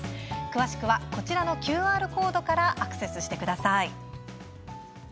詳しくはこちらのＱＲコードからアクセスしてください。